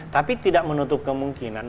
tapi tidak menutup kemungkinan